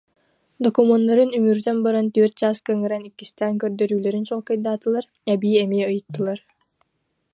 Докумуоннарын үмүрүтэн баран, түөрт чааска ыҥыран иккистээн көрдөрүүлэрин чуолкайдаатылар, эбии эмиэ ыйыттылар